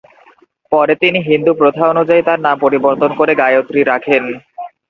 পরে তিনি হিন্দু প্রথা অনুযায়ী তাঁর নাম পরিবর্তন করে গায়ত্রী রাখেন।